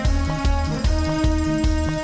สวัสดีค่ะ